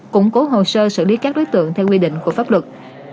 củng cố hồ sơ xử lý các đối tượng theo quy định của pháp luật